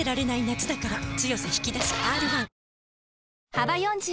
幅４０